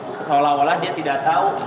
seolah olah dia tidak tahu